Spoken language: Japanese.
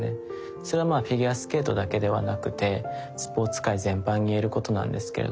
それはフィギュアスケートだけではなくてスポーツ界全般に言えることなんですけれども。